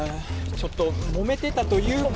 ちょっともめてたというか。